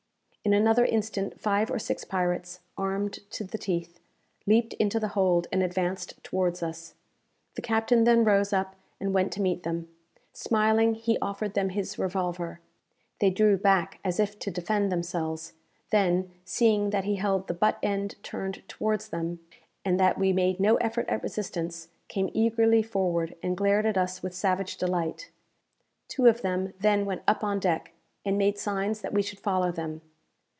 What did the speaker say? In another instant five or six pirates, armed to the teeth, leaped into the hold, and advanced towards us. The captain then rose up and went to meet them. Smiling, he offered them his revolver. They drew back, as if to defend themselves; then, seeing that he held the butt end turned towards them, and that we made no effort at resistance, came eagerly forward, and glared at us with savage delight. Two of them then went up on deck, and made signs that we should follow them.